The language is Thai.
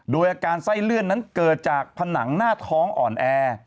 โดยอาการไส้เลื่อนนั้นเกิดจากผนังหน้าท้องอ่อนแอ